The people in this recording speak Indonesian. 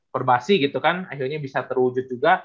perbasi gitu kan akhirnya bisa terwujud juga